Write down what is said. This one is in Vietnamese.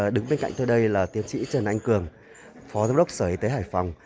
đứng bên cạnh tôi đây là tiến sĩ trần anh cường phó giám đốc sở y tế hải phòng